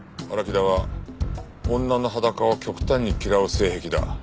荒木田は女の裸を極端に嫌う性癖だ。